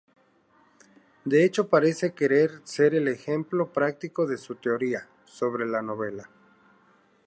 De hecho, parece querer ser el ejemplo práctico de su teoría sobre la novela.